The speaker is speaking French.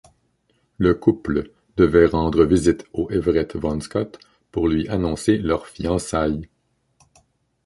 Le couple devait rendre visite au Everett von Scott pour lui annoncer leurs fiançailles.